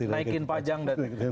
naikin pajak dan